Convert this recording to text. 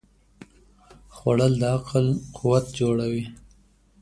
خوړل د عقل قوت جوړوي